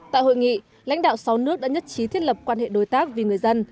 tại hội nghị lãnh đạo sáu nước đã nhất trí thiết lập quan hệ đối tác vì người dân